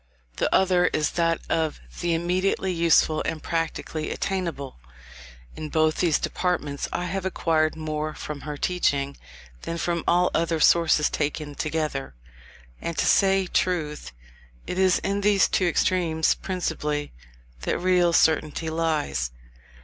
The other is that of the immediately useful and practically attainable. In both these departments, I have acquired more from her teaching, than from all other sources taken together. And, to say truth, it is in these two extremes principally, that real certainty lies.